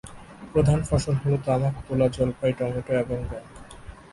প্রধান ফসল হ'ল তামাক, তুলা, জলপাই, টমেটো এবং গম।